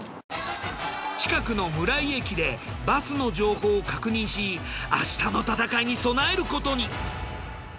近くの村井駅でバスの情報を確認し明日の戦いに備えることに。